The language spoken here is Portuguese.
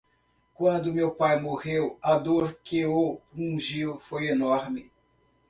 Quando meu pai morreu, a dor que o pungiu foi enorme